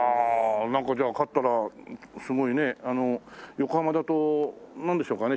なんかじゃあ勝ったらすごいね横浜だとなんでしょうかね？